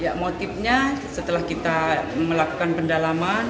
ya motifnya setelah kita melakukan pendalaman